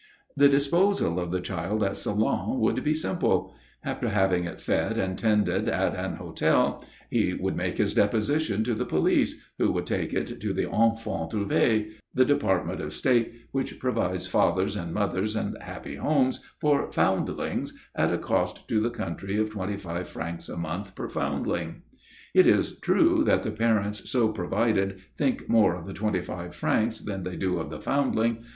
The disposal of the child at Salon would be simple. After having it fed and tended at an hotel, he would make his deposition to the police, who would take it to the Enfants Trouvés, the department of State which provides fathers and mothers and happy homes for foundlings at a cost to the country of twenty five francs a month per foundling. It is true that the parents so provided think more of the twenty five francs than they do of the foundling.